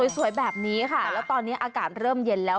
สวยแบบนี้ค่ะแล้วตอนนี้อากาศเริ่มเย็นแล้ว